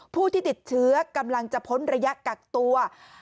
ผู้ที่ติดเชื้อกำลังจะพ้นระยะกักตัว